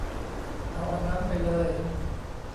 เอาอันนั้นไปเลย